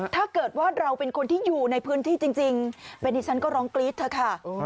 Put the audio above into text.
ถ้าเกิดว่าเราเป็นคนที่อยู่ในพื้นที่จริงเป็นดิฉันก็ร้องกรี๊ดเถอะค่ะ